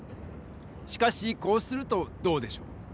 しかしこうするとどうでしょう？